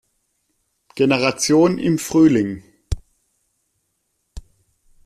Generation im Frühling.